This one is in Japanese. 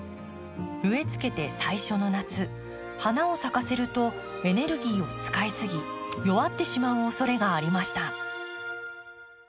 植えつけて最初の夏花を咲かせるとエネルギーを使いすぎ弱ってしまうおそれがありました。